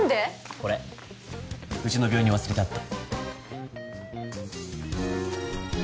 これうちの病院に忘れてあった